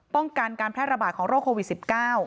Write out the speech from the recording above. ป้องกันการแพร่ระบาดของโรคโควิด๑๙